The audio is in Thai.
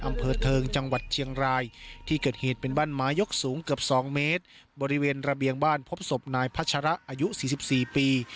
อำเภอเทิงจังหวัดเชียงรายที่เกิดเหตุเป็นบ้านไม้ยกสูงเกือบสองเมตรบริเวณระเบียงบ้านพบศพนายพัชระอายุสี่สิบสี่ปี